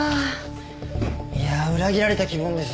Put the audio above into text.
いやあ裏切られた気分です。